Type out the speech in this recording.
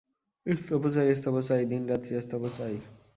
স্তব চাই, স্তব চাই, দিনরাত্রি স্তব চাই!